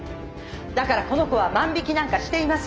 だからこの子は万引きなんかしていません。